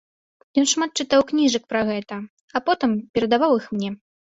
Ён шмат чытаў кніжак пра гэта, а потым перадаваў іх мне.